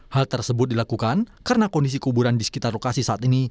hal tersebut dilakukan karena kondisi kuburan di sekitar lokasi saat ini